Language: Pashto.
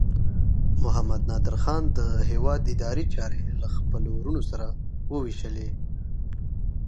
محمد نادر خان د هیواد اداري چارې له خپلو وروڼو سره وویشلې.